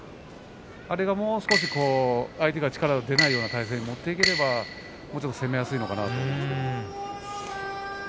あれがもう少し相手が力が出ないような体勢に持っていけばもう少し攻めやすいのかなと。